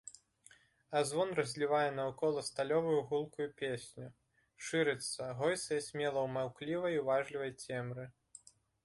А звон разлівае наўкола сталёвую гулкую песню, шырыцца, гойсае смела ў маўклівай, уважлівай цемры.